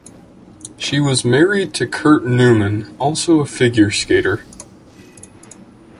She was married to Curt Neumann, also a figure skater.